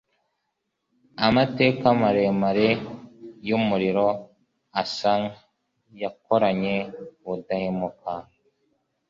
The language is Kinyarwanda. Amateka maremare yumurimo Asa yakoranye ubudahemuka